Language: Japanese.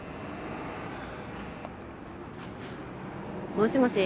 もしもし？